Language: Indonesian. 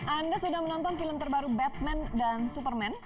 anda sudah menonton film terbaru batman dan superman